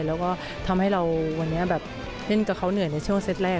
แล้วก็ทำให้เราวันนี้แบบเล่นกับเขาเหนื่อยในช่วงเซตแรก